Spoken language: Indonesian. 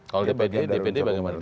kalau dpd dpd bagaimana